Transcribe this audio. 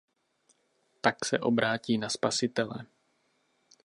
Tak se obrátí na Spasitele.